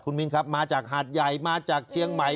มินครับมาจากหาดใหญ่มาจากเชียงใหม่